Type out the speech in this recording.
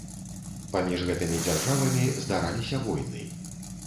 Паміж гэтымі дзяржавамі здараліся войны.